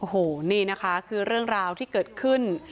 โอ้โหนี่นะคะคือเรื่องราวที่เกิดขึ้น